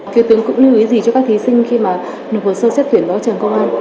kiều tướng cũng lưu ý gì cho các thí sinh khi mà được một sơ xét tuyển vào trường công an